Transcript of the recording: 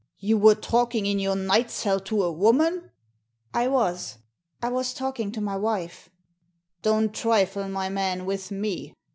"You were talking in your night cell to a woman ?"" I was. I was talking to my wife." "Don't trifle, my man, with me.